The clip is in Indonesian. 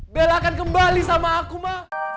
bella akan kembali sama aku ma